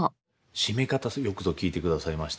締め方よくぞ聞いてくださいました。